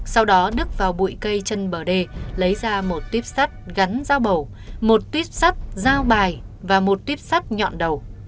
sau đó đứt vào bụi cây chân bờ đê lấy ra một tuyết sắt gắn dao bầu một tuyết sắt dao bài và một tuyết sắt nhọn đầu